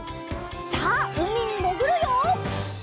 さあうみにもぐるよ！